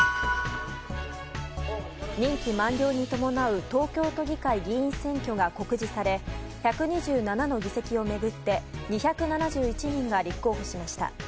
任期満了に伴う東京都議会議員選挙が告示され１２７の議席を巡って２７１人が立候補しました。